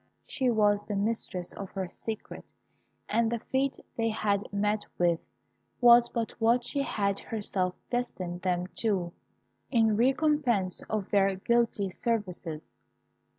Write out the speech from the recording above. She was mistress of her secret, and the fate they had met with was but what she had herself destined them to, in recompense of their guilty services.